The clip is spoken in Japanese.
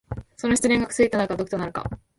その失恋が薬となるか毒となるか。